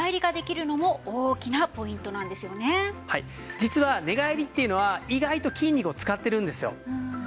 実は寝返りっていうのは意外と筋肉を使ってるんですよ。